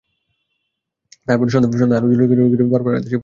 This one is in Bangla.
তাহার পরে সন্ধ্যায় আলো জুলিলেই বাবার আদেশে পড়িতে বসিতে হয়।